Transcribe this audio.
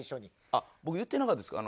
あっ僕言ってなかったですか？